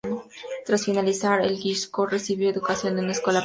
Tras finalizar el High School, recibió educación en una escuela privada femenina.